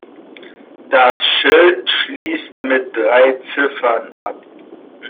Das Schild schließt mit drei Ziffern ab.